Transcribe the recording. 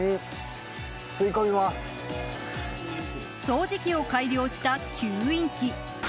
掃除機を改良した吸引機。